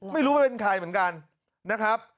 ไม่รู้ว่าเป็นใครเหมือนกันนะครับ